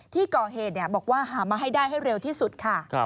ที่ก่อเหตุบอกว่าหามาให้ได้ให้เร็วที่สุดค่ะ